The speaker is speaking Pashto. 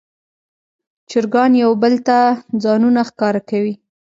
چرګان یو بل ته ځانونه ښکاره کوي.